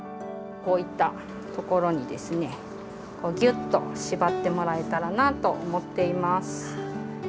こういった所にですね、ぎゅっと縛ってもらえたらなと思っています。